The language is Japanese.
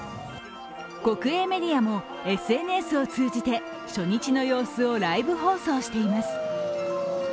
国営メディアもＳＮＳを通じて初日の様子をライブ放送しています。